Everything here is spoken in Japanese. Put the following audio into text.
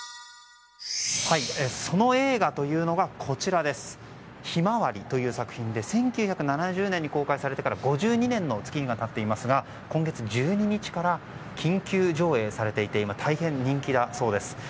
その映画というのが「ひまわり」という作品で１９７０年に公開されてから５２年の月日が経っていますが今月１２日から緊急上映されていて今、大変人気だそうです。